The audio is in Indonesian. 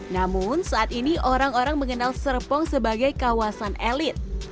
namun saat ini orang orang mengenal serpong sebagai kawasan elit